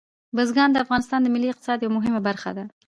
بزګان د افغانستان د ملي اقتصاد یوه مهمه برخه ده.